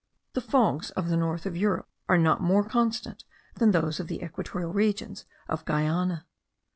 The fogs of the north of Europe are not more constant than those of the equatorial regions of Guiana.